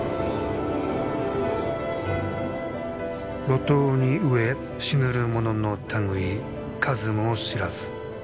「路頭に飢え死ぬる者のたぐい数も知らず。